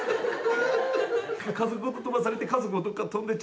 家族ごと飛ばされて家族もどっか飛んでっちゃった。